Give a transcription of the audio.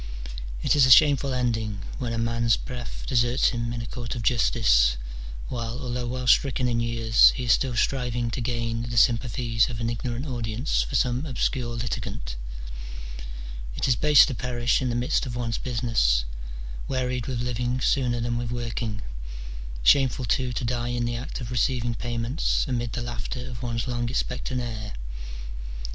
It is a shameful ending, when a man's breath deserts him in a court of justice, while, although well stricken in years, he is still striving to gain the sympa thies of an ignorant audience for some obscure litigant : it is base to perish in the midst of one's business, wearied with living sooner than with working; shameful, too, to die in the act of receiving payments, amid the laughter of one's long expectant heir.